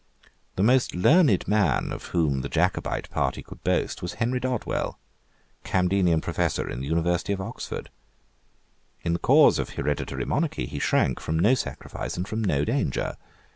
The most learned man of whom the Jacobite party could boast was Henry Dodwell, Camdenian Professor in the University of Oxford. In the cause of hereditary monarchy he shrank from no sacrifice and from no danger.